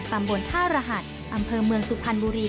ตำบลท่ารหัสอำเภอเมืองสุพรรณบุรี